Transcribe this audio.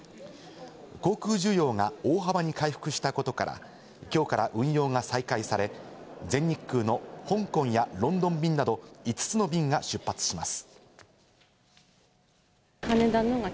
航空需要が大幅に回復したことから、きょうから運用が再開され、全日空の香港やロンドン便など５つの便が出発します。